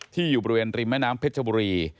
อยู่บริเวณริมแม่น้ำเพชรบุรี